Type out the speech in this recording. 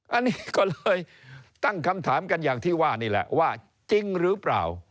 อันนี้ก็เลยตั้งคำถามกันอย่างที่ว่านี่แหละว่าจริงหรือเปล่า